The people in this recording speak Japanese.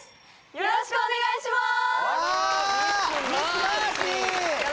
よろしくお願いします